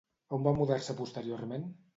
On va mudar-se posteriorment?